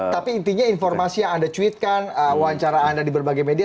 tapi intinya informasi yang anda cuitkan wawancara anda di berbagai media